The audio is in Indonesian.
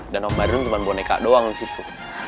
dan om badrun cuman boneka doang disitu